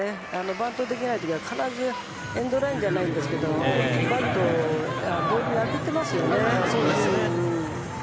バントできない時は必ずエンドランじゃないですけどバットをボールに当ててますよね。